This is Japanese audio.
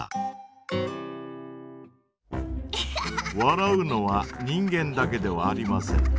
笑うのは人間だけではありません。